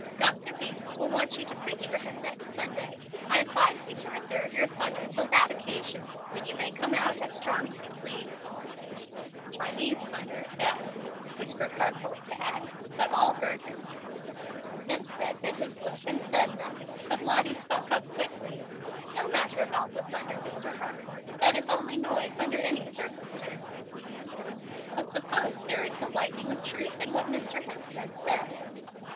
"Dr. Beams will want you to preach for him next Sunday. I advise you to reserve your thunder till that occasion, when you may come out as strong as you please." "'Chinese thunder' at best," whispered Harcourt to Addie; but all heard him. Hemstead bit his lip and said nothing, but Lottie spoke up quickly: "No matter about the 'thunder,' Mr. Harcourt. That is only noise under any circumstances. But suppose there is the lightning of truth in what Mr. Hemstead says?"